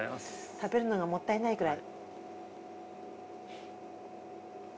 食べるのがもったいないくらい。